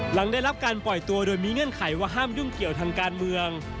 หลังได้รับการปล่อยตัวโดยมีเงื่อนไขว่าห้ามยุ่งเกี่ยวทางการเมือง